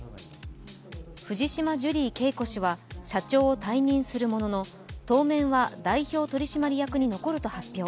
藤島ジュリー景子氏は社長を退任するものの当面は代表取締役に残ると発表。